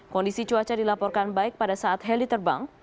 kondisi cuaca dilaporkan baik pada saat heli terbang